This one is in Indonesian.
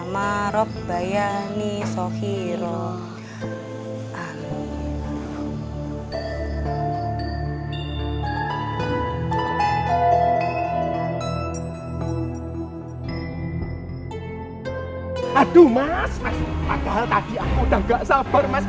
mas padahal tadi aku udah gak sabar mas